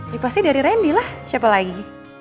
ya pasti dari randy lah siapa lagi